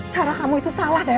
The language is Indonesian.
cara kamu itu salah deh